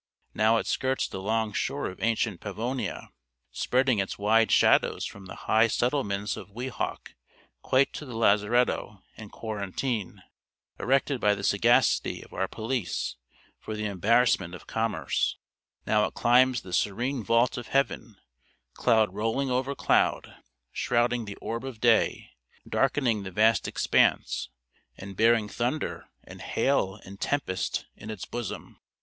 Now it skirts the long shore of ancient Pavonia, spreading its wide shadows from the high settlements of Weehawk quite to the lazaretto and quarantine, erected by the sagacity of our police for the embarrassment of commerce; now it climbs the serene vault of heaven, cloud rolling over cloud, shrouding the orb of day, darkening the vast expanse, and bearing thunder, and hail, and tempest, in its bosom.